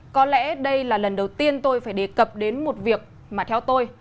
có lẽ đây là lần đầu tiên tôi phải đề cập đến một việc mà theo tôi